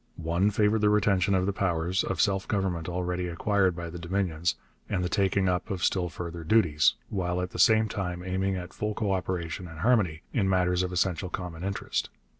One favoured the retention of the powers of self government already acquired by the Dominions and the taking up of still further duties, while at the same time aiming at full co operation and harmony in matters of essential common interest.